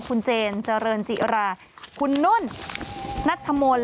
คุณเจนเจริญจิราคุณนุ่นนัทธมนต์